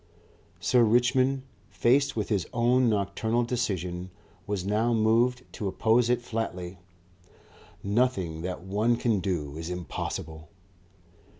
Sir Richmond, faced with his own nocturnal decision, was now moved to oppose it flatly. "Nothing that one can do is impossible."